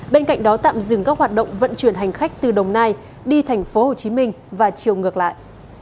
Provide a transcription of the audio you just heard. bên cạnh đó tạm dừng các hoạt động vận chuyển hành khách từ đồng nai đi tp hcm và chiều ngược lại